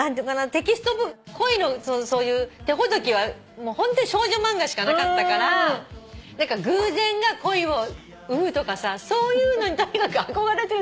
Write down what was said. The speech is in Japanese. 恋の手ほどきはホントに少女漫画しかなかったから偶然が恋を生むとかそういうのにとにかく憧れてる年だったから。